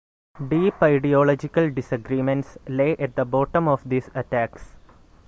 Deep ideological disagreements lay at the bottom of these attacks.